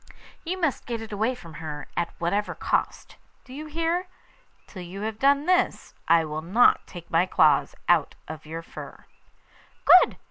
You must get it away from her at whatever cost; do you hear? Till you have done this I won't take my claws out of your fur.' 'Good!